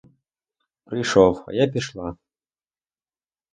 Прийшов, а я пішла.